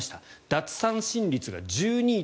奪三振率が１２．０４。